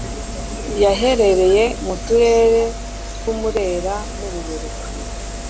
Yahereye mu turere tw' u Mulera n' u Buberuka,